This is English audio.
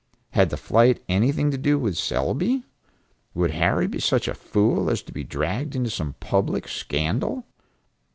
Had the flight anything to do with Selby? Would Harry be such a fool as to be dragged into some public scandal?